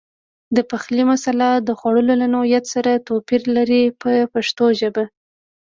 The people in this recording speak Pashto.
د پخلي مساله د خوړو له نوعیت سره توپیر لري په پښتو ژبه.